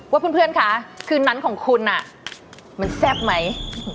ว่าเพื่อนคะคืนนั้นของคุณมันแซ่บไหม